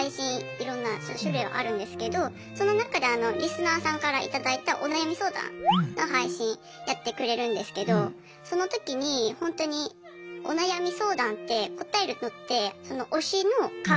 いろんな種類はあるんですけどその中でリスナーさんから頂いたお悩み相談の配信やってくれるんですけどその時にほんとにお悩み相談って答えるのってその推しの考え